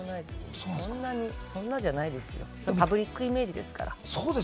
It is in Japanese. そんなんじゃないですよ、パブリックイメージですから。